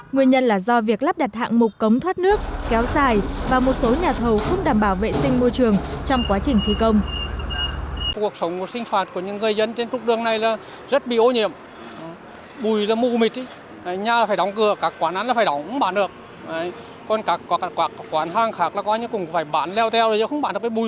nguyên nhân là do việc lắp đặt hạng mục cống thoát nước kéo xài và một số nhà thầu không đảm bảo vệ sinh môi trường trong quá trình thi công